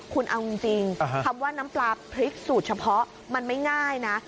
คุณเอาจริงคำว่าน้ำปลาพริกสูตรเฉพาะมันไม่ง่ายนะ